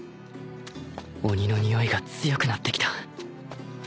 鬼のにおいが強くなってきた